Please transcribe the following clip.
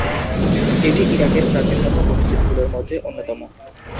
এটি ইরাকের প্রাচীনতম মসজিদগুলোর মধ্যে অন্যতম।